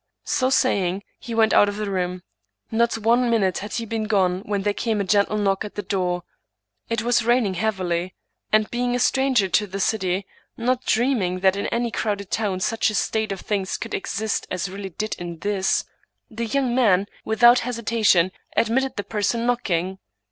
So saying, he went out of the room. Not one minute had he been gone when there came a gentle knock at the door. It was raining heavily, and, being a stranger to the city, not dreaming that in any crowded town such a state of things could exist as really did in this, the young man, without hesitation, admitted the person knock ing.